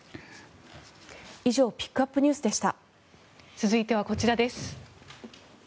以上ピックアップＮＥＷＳでした。